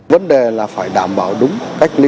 vấn đề là phải đảm bảo đúng cách ly